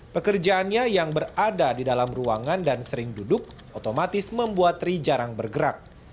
pekerjaannya yang berada di dalam ruangan dan sering duduk otomatis membuat tri jarang bergerak